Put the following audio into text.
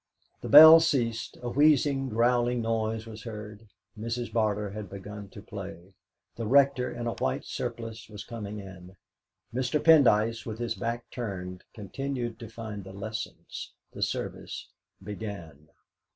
The bell ceased; a wheezing, growling noise was heard. Mrs. Barter had begun to play; the Rector, in a white surplice, was coming in. Mr. Pendyce, with his back turned, continued to find the Lessons. The service began.